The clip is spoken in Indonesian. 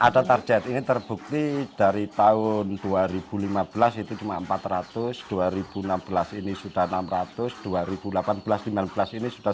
ada target ini terbukti dari tahun dua ribu lima belas itu cuma empat ratus dua ribu enam belas ini sudah enam ratus dua ribu delapan belas dua ribu lima belas ini sudah